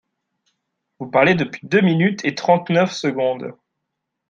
Vous parlez depuis deux minutes et trente-neuf secondes.